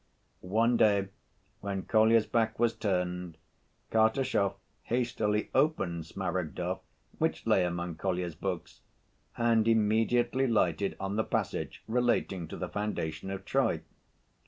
One day, when Kolya's back was turned, Kartashov hastily opened Smaragdov, which lay among Kolya's books, and immediately lighted on the passage relating to the foundation of Troy.